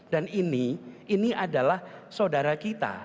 dan ini ini adalah saudara kita